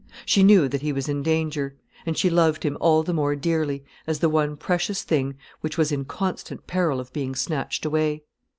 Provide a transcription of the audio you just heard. She knew that he was in danger; and she loved him all the more dearly, as the one precious thing which was in constant peril of being snatched away.